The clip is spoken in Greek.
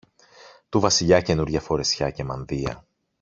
του Βασιλιά καινούρια φορεσιά και μανδύα